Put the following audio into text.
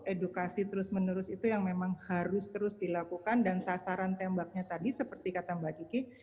edukasi terus menerus itu yang memang harus terus dilakukan dan sasaran tembaknya tadi seperti kata mbak kiki